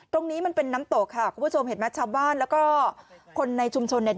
ตรงนี้มันเป็นน้ำตกค่ะคุณผู้ชมเห็นไหมชาวบ้านแล้วก็คนในชุมชนเนี่ย